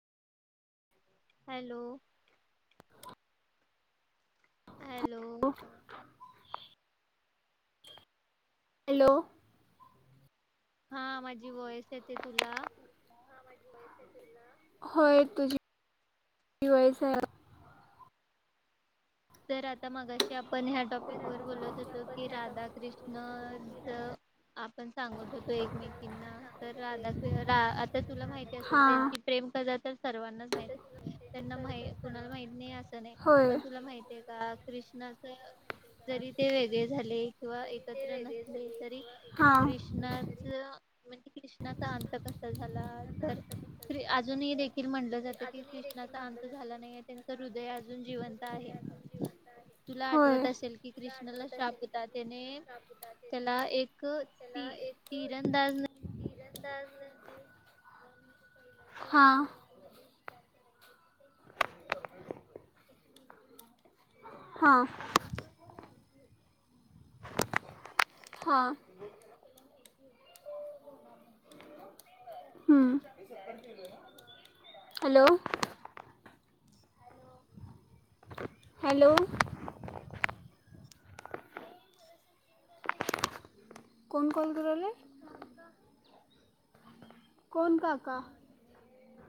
Hello! Hello! Hello! हा माझी voice येते तुला. होय. तुझी [unintelligible] आहे तर आता मगाशी आपण ह्या टॉपिक वर बोलत होतो की राधा कृष्णच- आपण सांगत होतो एकमेकींना. तर राधा रा आता तुला माहिती असेल हां त्यांची- प्रेम कथा तर सर्वांनाच माहितए. त्यांना मा कुणाला माहित नाही असं नाही. होय पण तुला माहित- ते का कृष्णाच जरी ते वेगळे झाले- किंवा एकत्र नसले तरी हां कृष्णा- -च म्हणजे कृष्णाचा अंत कसा झाला? तर- अजूनही देखील म्हणलं जातं की कृष्णाचा अंत झाला नाहीए. त्यांचं हृदय अजून जिवंत आहे. तुला होय आठवत असेल की कृष्णाला शाप होता त्याने- त्याला एक ती तीरंदाज- हां. हां. हां. हम. हॅलो. हॅलो. कोण कॉल करायलय? कोण काका?